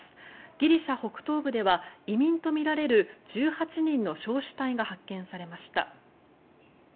ギリシャ北東部では移民とみられる１８人の焼死体が発見されました。